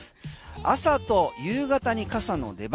朝と夕方に傘の出番。